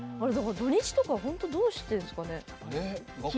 土日とか本当にどうしてるんですかね？